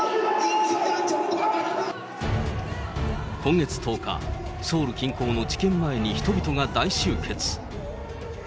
今月１０日、ソウル近郊の地検前に、人々が大集結。